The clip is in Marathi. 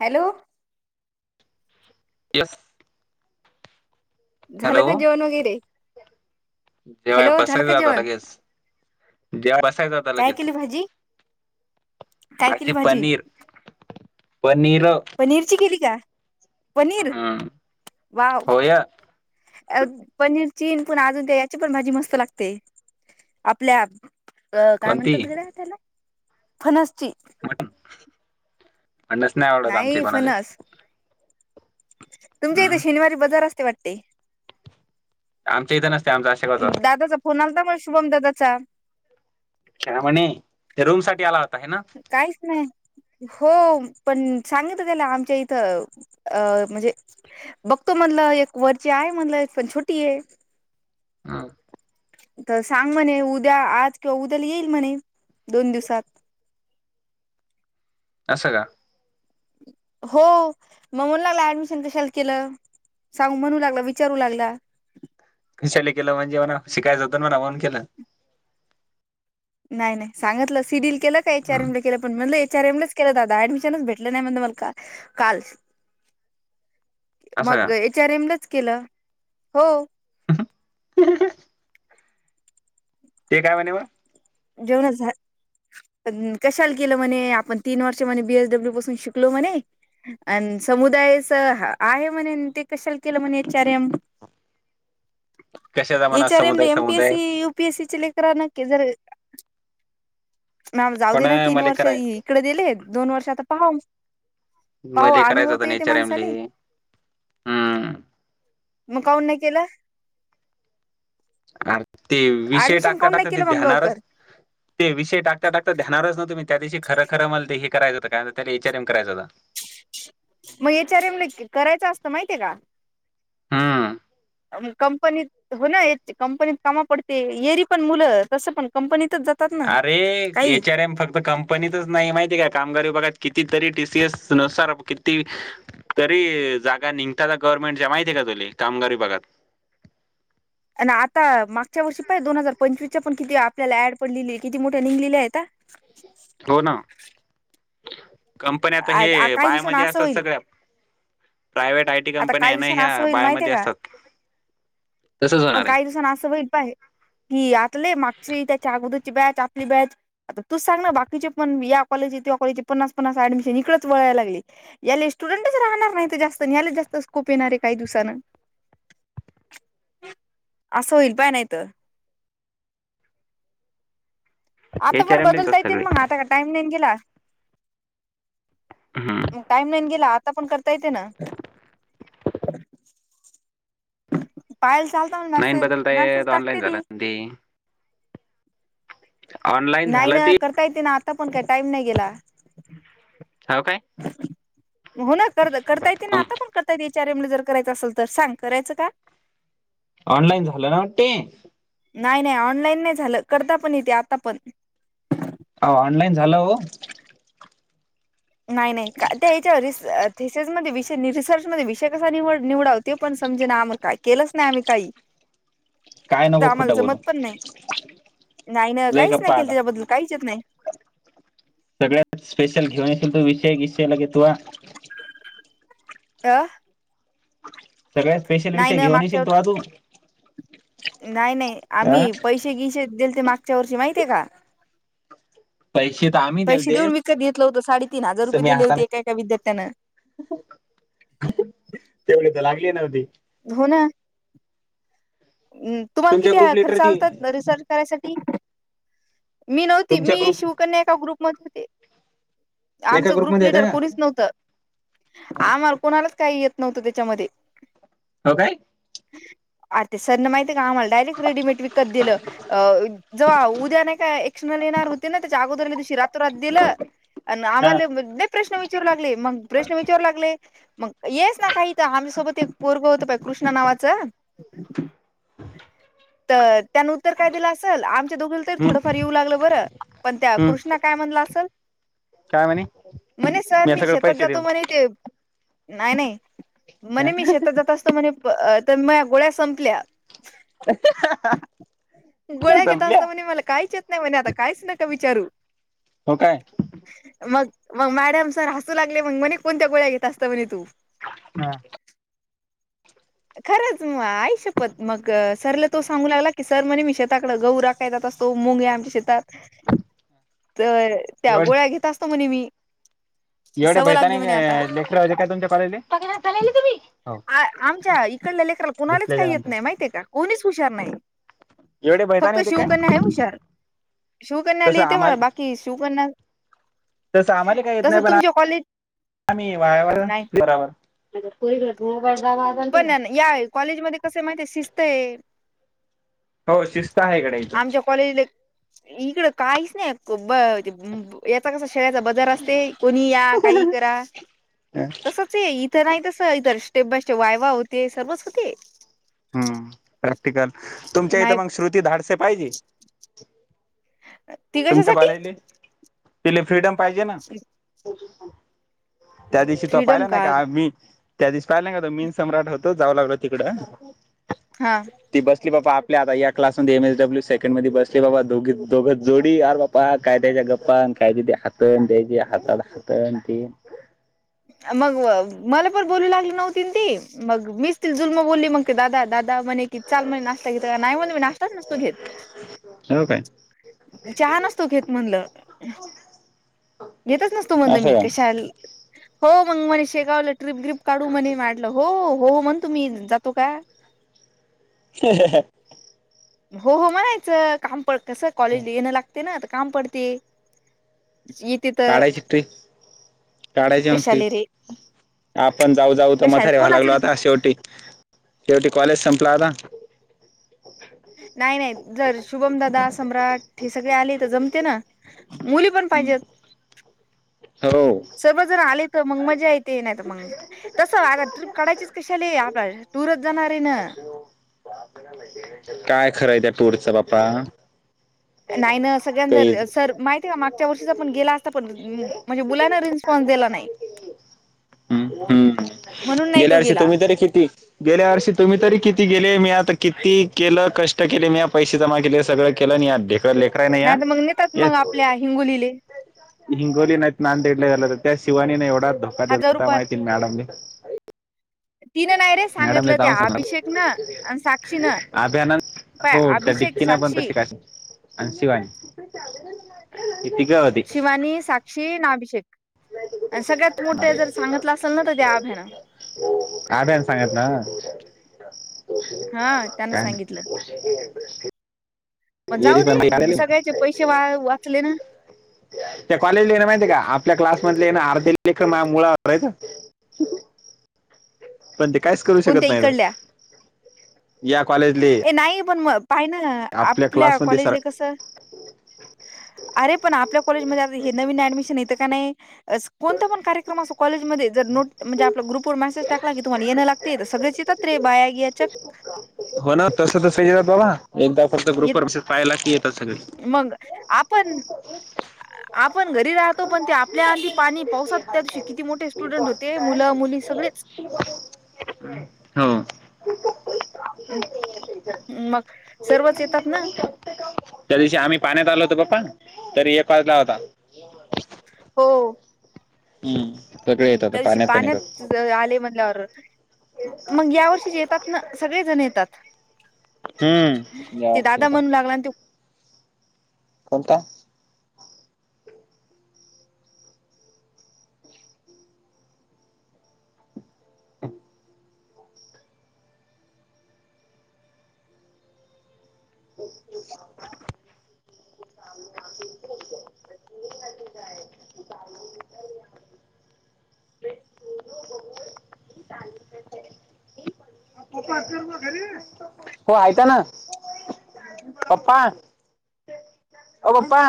हॅलो येतो झालं का जेवण वगैरे? जेवायला हॅलो झालं का बसायचं आत जेवण लगेच जेवा बसायचं होता काय लगेच केली भाजी काय केली भाजी पनीर पनीर पनीरची केली का पनीर हम्म वाव होया पनीर ची पुन्हा अजून ते याची पण भाजी मस्त लागते. आपल्या अ काय कोणती म्हणतात गड्या त्याला फनासची म्हटलं फणस नाही आवडत आमचे कोणाले तुमच्या इथे हम्म शनिवारी बाजार असते वाटते? आमच्या इथं आमचा अशा गावचा दादाचा फोन आलाता म शुभम दादाचा काय म्हणे ते रूम साठी आला होता आहे ना? काहीच नाही. हो पण सांगत होते ना आमच्या इथं अ म्हणजे बघतो म्हणलं एक वरची आहे म्हणलं एक पण छोटी आहे. तर सांग म्हणे उद्या आज किंवा उद्याला येईल म्हणे दोन दिवसात असं का? हो मग म्हणू लागला ऍडमिशन कशाला केलंसांगू म्हणू लागला विचारू लागला. खुशा केलं म्हणजे म्हणा शिकायचं होतं ना म्हणून मग केलं. नाही नाही सांगितलं सी डील केलं का एचरम के [inaudible] पण म्हण एचर एमच केलं दादा डमिशनच भेटले नाही म्हण मला काल [inaudible] असं का मग एच आरएम नच केलं हो. हू [inaudible] ते काय म्हणे मग. जेवणच [inaudible] पण कशाला केलं म्हणे आपण तीन वर्ष म्हणे बीएसडब्ल्यू पासून शिकलो म्हणे. अ समुदायाच आहे म्हणे ते कशाला केलं म्हणेचारम. चुकीचा प्रकार कशाचा म्हणा इचारेम समुदाय एमपीएस समुदाय सी युपीएस सी लेकर न केे जर [inaudible] मॅम जाऊ पण दे ना तीन मले वर्ष कराय इकडे दिले, दोन वर्ष आता पाहो. पाहु मले करायचं अनुभवत होतं येते नेचर एमले माणसाले. हम्म मग काऊन नाही केला? अर, ते विषय ऍडमिशन टाकता काऊन नाही टाकता ते केलं मग ध्यानावरच. लवकर ते विषय टाकता टाकता ्यानावरच. न्हुम् त्या दिशी खर खरं मल ते हे करायच होत, काय त्या एचआरएम करायं होता. मग एचआरएम ला करायचं असतं, माहितीय का? हम्म. मग कंपनीत? हो ना कंपनीत कामा पडते, येरी पण मुलं तसं पण कंपनीतच जात. आरे, एचआर एम फक्त क? कंपनीतचं नाही, माहितीय काय? कामगार विभागात किती तरी, टीसीएस नुसार किती? तरी जागा निघता गव्हर्नमेंटच्या, माहिती आहे का तुले? कामगार विभागघात. आणि आता मागच्या वर्षी, पाय दोन हजार पंचवीस च्या पण किती? आपल्याला ऍड पण लिहिली आहे, किती मोठ्या लिहीलेल्या आहेत आ? हो ना, कंपन्या आता आहेत हे काही दिवसांना बायामध्ये असं असतात, होईल सगळ्या. Private I? टी आता कंपन्या काही आहे ना दिवसांना असं ह्या होईल, माहितय बायामध्ये का? असतात. तसंच पण होणार काही आहे दिवसांना असं होईल, पाहे. की आतले, मागची, त्याच्या अगोदरची बॅच, आपली बॅच. आता तूच सांग ना, बाकीचे पण या कॉलेजि कॉलेजचे पन्ना पन्नास ऍडमिशन इकडच वळायला लागली. याला स्टुडंटच राहणार नाही जास्तला जास्. [inaudible] स्कूप येणार आहे, काही दिवसान असं होईल, पाय नाहीत. आता एच आर पण एम लाच बदलता येते सगळे. ना? मग आता का टाइम नाहीनं गेला? हम्म. टाईम नाहीन गेला, आता पण करता येते ना? पायलचा आलता मल नाही मॅसेज, बदलता मेसेज येत ऑनलाईन टाकते झालं ती. ते. [inaudible] ऑनलाईन नाही झालं ना, ते करता येते ना आता पण? काय, टाईम नाही गेला? हो काय? हो ना, कर करता येते ना? आता पण करता येते. ार [inaudible] जर करायचं असेल तर सांग करायचं का. ऑनलाईन झालं ना, वाटते? नाही, नाही, ऑनलाईन नाही झालं. करता पण येते, आता पण. आओ, ऑनलाईन झालं हो. नाही नाही का त्या याच्या र थिसेस म विषय रिसर्च म विषय कसा निवड निवडाव. [inaudible] ते पण समजेना आम्हाला, काय केलंच नाही आम्ही काही. काय, तर नको आम्हाला खोटं जमत बोलू. पण नाही नाही ना लय काहीच नाही गप्पा केलं आता त्याच्याबद्दल काहीचच नाही. सगळ्यात स्पेशल घेऊन येेल तू विषय विसयलागे तो. अ. सगळ्या स्पेशल नाही विषय ना घेऊन मागच्या येशील तो वर- अजून नाही नाही अ आम्ही पैसे किसे दिल ते मागच्या वर्षी माहतीय का पैसे तर आम्ही पैसे दिलते देऊन विकत घेतलं होत साडे तीन हजार रुपये मी दिले होते हाताने एका एका विद्यार्थ्यानं. तेवढे तर लागली नव्हती. हो ना. हम तुम्हाला तुमच्या किती ग्रुप आहे खर्च लिटरची आलतात. रिसर्च करायसाठी मी नव्हती तुमच्या मी ग्रुप शिवकन्या ए ग्रुप हो एका आमचं ग्रुप ग्रुपमध्ये ललीडर येतं कोणीच का नव्हतं. आम्हा कोणालाच काही येत नव्हतं त्याच्यामध्ये. हो काय. आ ते सरन माती आहे का आम्हा डयरेक्ट रेडीमेट विकत दिलं. अ जव्हा उद्या नाही काय एकषणा येणार होते ना त्याच्या अगोदरला दिवशी रातोरात दिलं. अ हा आम्हाला नाही प्रश्न विचारू लागले मग प्रश्न विचारू लागले. मग येस ना काही तर आमहीसोबत एक पोरब होत कृष्ण नावाचं. तर त्यान उत्तर काय दिलं असेल आमच्या दोघ हम्म थोडंफार येऊ लागलं बर पण त्या हम्म कृष्णा काय म्हणलं असेल काय म्हणे मणे सर मी नाही सगळं सतात पैसे जातो देऊन मणे ते. नाही नाही म्हणे मी शेतात जात असतो म्हणे तर म गोळ्या संपल्या. [unintelligible] कुठल्या गोळ्या घेतता संपल्या असता म्हणे मला काहीच येत नाही म्हणे आता काहीच नका विचारू. हो काय. मग मग मॅडम सर हसू लागले मग म्हणे कोणत्या गोळ्या घेत असत म्हणे तू. हा. [unintelligible] खरंच मग आई शपत मग सरला तो सांगू लागला की सर म्हणे मी. शेताकड गह राखाय जात असतो मुंगे आमच्या शेतात तर त्या एवढे गोळ्या घेत असत म्हणे मी. एवढे सवय लागली बैतानी म्हणे आता लेक्चरैरे काय तुमच्या कॉलेज तम्ही. कुणालाच काही येत नाही माहिितय का कोणीच हुशार नाही. एवढे फक्त भैताने होते शू काय करण्या हव सर शू करण्या तसं लि तेव्हा आम्हाला बाकी शू करणार. तर सा आम्हाला काही येत नाही पण कॉलेज आम्ही वायावर नाही ब मग पुरी ग्रू पै पण या कॉलेज मध्ये कस माहतीय शिस्त आहे. हो शिस्त आहेकडे इथून. कॉलेज इकड काहीच नाही याचा कसा शे ब ज अस कोणी या काही करा तसच इथ नाही तस इ स्टेप बाय. वायवा होते सर्वच होते. हम्म प्रॅक्टिकल तुमच्या नाही इथं मग श्रुती धाडसे पाहिजे. ती तुमच्या कशासाठी कॉलेजले पिले फ्रीडम पाहिजे ना. त्या दिवशी तो फ्रीडम पाहिला नाही कार्ड का मी. त्या दिवस पाहिला का तो मीन सम्राट होतो जावं लागलो तिकडं. हा. ती बसली बाबा आपल्या आता या क्लासमध्ये एम एसडब्ल्यू सेकंड मध्ये बसली बाबा दोघी दोघ जोडी बापा काय त्याच्याेपा कायदी हातण ते ह हातण त मग मला पण बोलू लागली नव्हती ती मग मीच ती जुलम बोलली मग ते दादा, दादा म्हणे कि चाल म्हण नाश्ता घेत, नाही म्हण मी नाश्ताच नाही घेत. हो काय चहा नको घेत म्हणलं. घेतच नसतो म्हणलं मी असं का कशाल हो मग मणे शेगावलं ट्रिप ग्र्रीप काढू मणे मडलं हो हो म्हणतो मी जातो का ह हो हो म्हणायचं काम पड कसं कॉलेज येणं लागते ना तर काम पडते येते तर काढायची ट्रिक काढायची मग कशाले ट्रिप रे आपण जाऊ जाऊ तर कशा म्हातारे व्हायला कोण आज लागलो र आता शेवटी शेवटी कॉलेज संपला आता नाही नाही जर शुभमदादा, सम्राट हे सगळे आले तर जमते ना मुली पण पाहिजेत हो सर्व जण आले तर मग मजा य ते नाही मग तस आता ट्र्रीप काढायचीच कशी आली आप टुरच जाणार आहे ना. काय खरंय त्या टूरच बा्पा. नाही ना सगळ्यां जर सर माहितीय का मागच्या वर्षीचा आपण गेला असता पण म्हणजे मुलांना रिस्पॉन्स दिला नाही. हम् हम् म्हणून नाही गेल्या तो वर्षी गेला तुम्ही तर किती गेल्यावर्षी तुम्ही तरी किती गेले मी आता किती केलं कष्ट केले मी पैसे जमा केले सगळं केलं आणि आत दे लेकरराय नाही तर मग नेतात या मग आपल्या हिंगोलीले हिंगोली नाय ना दडले गला त्या शवानी ना नाही एवढाो हजार [unintelligible] रुपया माहिती मॅडम भी तिनं नाही रे सांगितलं ते जाऊन सांगणार अभिषेक न आणि साक्षी न अभ्यान पय हो त्या अभिषेक, डिक्कीना पण साक्षी तशी काय आणि शिवानी ती का शिवानी, साक्षी न अभिषेक. [inaudible] आणि सगळ्यात मोठे जर सांगितलं असेल ना तर त्या अभ्यानं [unintelligible] सांगत ना हा त्यान सांगितलं. म नाही जाऊ एरी दे पण सगळ्याचे पैसे वा वाचले ना. [unintelligible] पण ते काहीच करू शकत कोणत्या इकडल्या नाही या कॉलेजले ए नाही पण म पाहि ना आपल्या क्लासमध्ये सर कॉलेजले कसं अरे पण आपल्या कॉलेजमधे ता हे नवीन ऍडमिशन येतं का नाही कोणता पण कार्यक्रम असो कॉलेजमध्ये जर नोट म्हणजे आपलं ग्रुपवर मेसेज लागे तुम्हाला येण लागते सगळ्याचं येतात रे बाया याच्यात हो ना तस तसंचय बाबा एकदा फक्त ग्रुप वर पाहायला की येतात सगळे मग आपण, आपण घरी राहतो पण त्या ल्या आधी पाणी पावसात त्या दिवशी किती मोठे स्टुडंट होते मुलं मुली सगळीच हो मग सर्वच येतात ना. त्या दिवशी आम्ही पाण्यात आलोतो पप्पा तरी एक वाजला होता. हो हम् त्या दिवशी पाण्यात ज ज् आले म्हणल्यावर मग या वर्षी ज येतात ना सगळे जण येतात. हम्म ते यावर्षी दादा येतात म्हणू लागलांत्यो कोणता हम ओ ऐका ना पप्पा ओ पप्पा